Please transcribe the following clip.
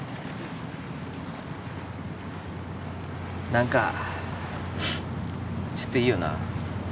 何かちょっといいよな。